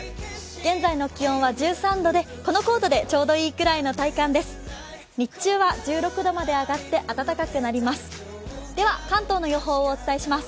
現在の気温は１３度で、このコートでちょうどいいぐらいの体感です。